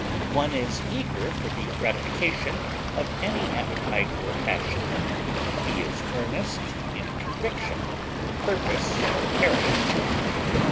One is eager for the gratification of any appetite or passion; he is earnest in conviction, purpose, or character.